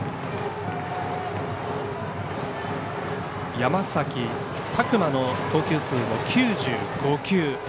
山崎琢磨の投球数も９５球。